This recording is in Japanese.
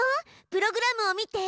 プログラムを見て。